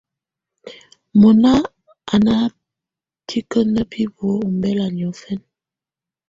Mɔ̀na à ná tikǝ́nǝ́ bibuǝ́ ɔmbɛla niɔ̀fɛna.